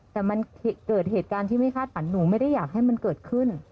แต่มันเกิดเหตุการณ์ที่ไม่คาดฝันหนูไม่ได้อยากให้มันเกิดขึ้น